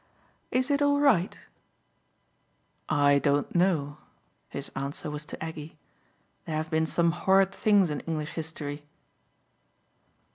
"Is it all right?" "I don't know" his answer was to Aggie. "There have been some horrid things in English history."